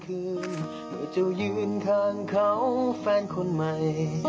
คือเจ้ายืนข้างเขาแฟนคนใหม่